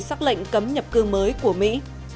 sắc lệnh cấm nhập cư mới của mỹ